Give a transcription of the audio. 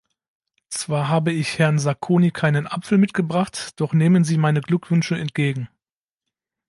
Zwar habe ich Herrn Sacconi keinen Apfel mitgebracht, doch nehmen Sie meine Glückwünsche entgegen.